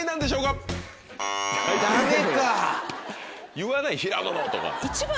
言わない「平野の」とか。